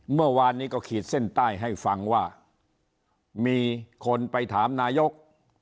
เมื่อวานนี้ก็ขีดเส้นใต้ให้ฟังว่ามีคนไปถามนายก